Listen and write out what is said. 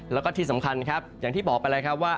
แล้วก็ที่สำคัญครับอย่างที่บอกไปแล้วครับว่า